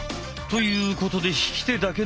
ということで引き手だけの練習。